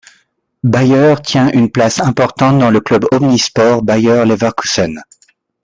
Bayer tient une place importante dans le club omnisports Bayer Leverkusen.